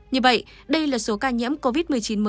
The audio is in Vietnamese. như vậy đây là số ca nhiễm covid một mươi chín mới